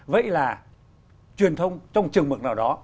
vậy là truyền thông trong trường mực nào đó